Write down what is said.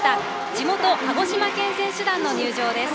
地元・鹿児島県選手団の入場です。